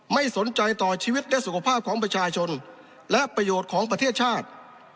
ไม่สนใจต่อชีวิตและสุขภาพของประชาชนและประโยชน์ของประเทศชาติ